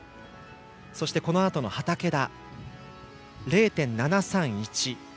そしてこのあとの畠田が差は０．７３１。